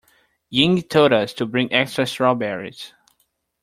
Ying told us to bring extra strawberries.